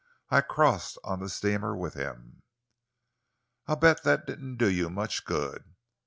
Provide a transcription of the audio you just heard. "I crossed on the steamer with him." "I bet that didn't do you much good!"